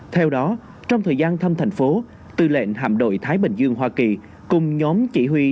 theo đó trong thời gian thăm thành phố tư lệnh hạm đội thái bình dương hoa kỳ